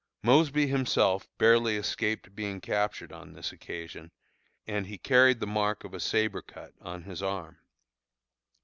Mosby himself barely escaped being captured on this occasion, and he carried the mark of a sabre cut on his arm.